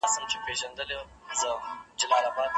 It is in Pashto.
که توليدي سکتورونه مجهز سي د کار مؤلديت به لوړ سي.